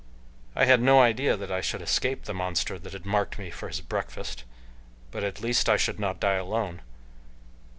I had no idea that I should escape the monster that had marked me for his breakfast, but at least I should not die alone.